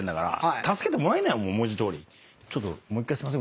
ちょっともう１回すいません。